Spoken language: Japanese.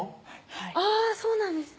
はいあぁそうなんですね